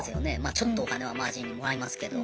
ちょっとお金はマージンもらいますけど。